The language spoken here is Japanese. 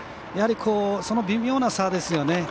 やはりその微妙な差ですよね。